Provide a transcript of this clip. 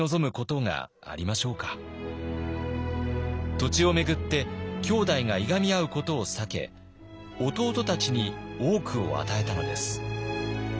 土地を巡って兄弟がいがみ合うことを避け弟たちに多くを与えたのです。